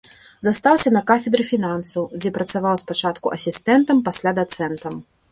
Застаўся на кафедры фінансаў, дзе працаваў спачатку асістэнтам, пасля дацэнтам.